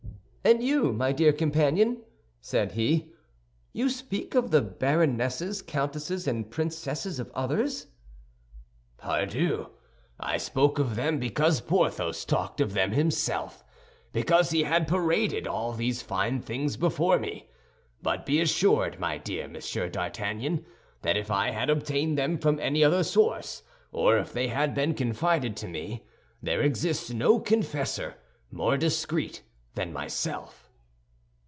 "And you, my dear companion," said he, "you speak of the baronesses, countesses, and princesses of others?" "Pardieu! I spoke of them because Porthos talked of them himself, because he had paraded all these fine things before me. But be assured, my dear Monsieur d'Artagnan, that if I had obtained them from any other source, or if they had been confided to me, there exists no confessor more discreet than myself."